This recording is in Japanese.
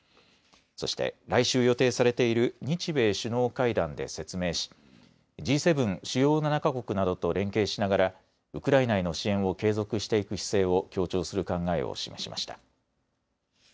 そして来週、予定されている日米首脳会談で説明しＧ７・主要７か国などと連携しながらウクライナへの支援を継続していく姿勢を強調する考えを示しました。